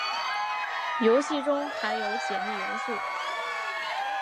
游戏中含有解密元素。